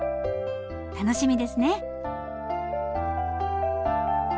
楽しみですね。